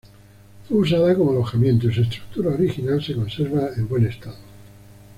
Fue usada como alojamiento y su estructura original se conserva en buen estado.